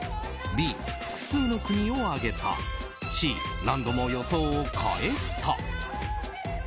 Ｂ、複数の国を挙げたＣ、何度も予想を変えた。